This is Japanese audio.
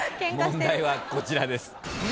問題はこちらです。